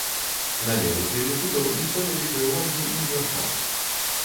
На левых ліліпутаў ніхто вялікай увагі не звяртаў.